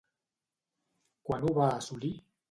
Quan ho va assolir?